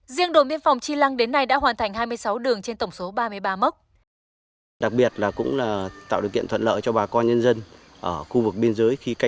riêng đồn biên phòng chi lăng đến nay đã hoàn thành hai mươi sáu đường trên tổng số ba mươi ba mốc